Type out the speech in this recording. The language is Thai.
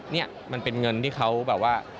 นี่มันเป็นเงินที่เขาแบบว่า